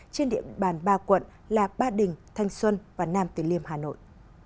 trên địa bàn ba quận là ba đình thanh xuân và nam từ liêm hà nội